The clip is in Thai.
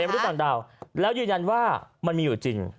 มนุษย์ต่างดาวแล้วยืนยันว่ามันมีอยู่จริง